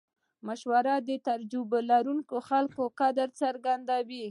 مشوره د تجربه لرونکو خلکو قدر څرګندوي.